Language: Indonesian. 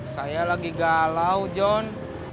saya lagi galau john